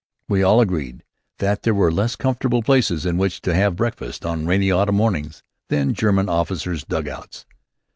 We all agreed that there were less comfortable places in which to have breakfast on rainy autumn mornings than German officers' dug outs.